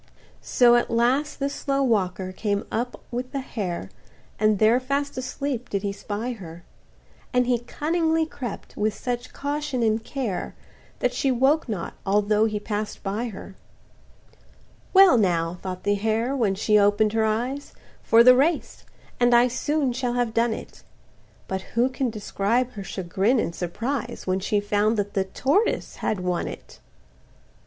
So at last this slow walker came up with the hare, And there fast asleep did he spy her; And he cunningly crept with such caution and care, That she woke not, although he pass'd by her. "Well now," thought the hare, when she open'd her eyes, "For the race,—and I soon shall have done it;" But who can describe her chagrin and surprise, When she found that the tortoise had won it!